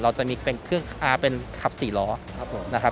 เราจะมีเป็นเครื่องเป็นขับ๔ล้อครับผมนะครับ